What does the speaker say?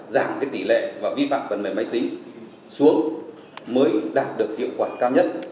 giảm tỷ lệ và vi phạm phần mềm máy tính xuống mới đạt được hiệu quả cao nhất